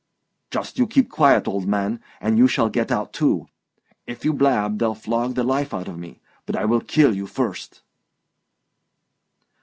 "Just you keep quiet, old man, and you shall get out too. If you blab, they'll flog the life out of me, but I will kill you first."